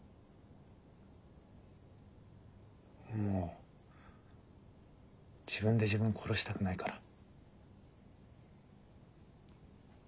もう自分で自分を殺したくないから。